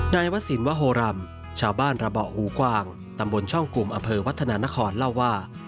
วสินวโฮรำชาวบ้านระเบาะหูกวางตำบลช่องกลุ่มอำเภอวัฒนานครเล่าว่า